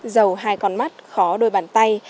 dầu hai con mắt khó đôi bàn tay